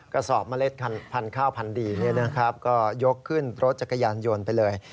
กระสอบเมล็ดพันธุ์ข้าวพันดีก็ยกขึ้นรถจักรยานยนต์ไปเลย